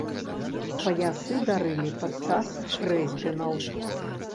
Паясы дарылі падчас хрэсьбінаў.